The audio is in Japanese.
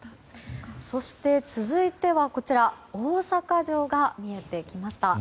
そして、続いては大阪城が見えてきました。